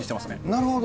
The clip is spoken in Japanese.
なるほど。